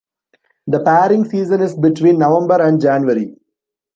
The pairing season is between November and January.